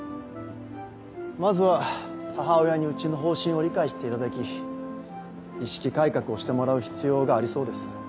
まずは母親にうちの方針を理解していただき意識改革をしてもらう必要がありそうです。